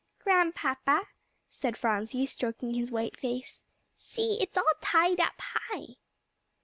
"Grandpapa," said Phronsie, stroking his white face, "see, it's all tied up high."